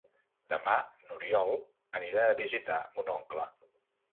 Demà n'Oriol anirà a visitar mon oncle.